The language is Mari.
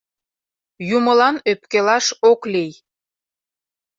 Юмылан ӧпкелаш ок лий.